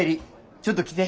ちょっと来て。